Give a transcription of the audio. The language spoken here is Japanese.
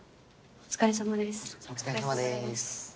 ・お疲れさまです・